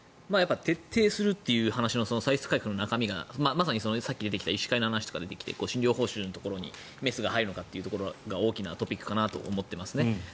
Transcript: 徹底するという話の歳出改革の中身がまさにさっき出てきた医師会の話とか出てきて診療報酬のところにメスが入るのかというところが大きなトピックかなと思っていますね。